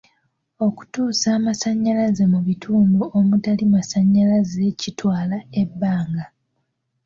Okutuusa amasannyalaze mu bitundu omutali masannyalaze kitwala ebbanga.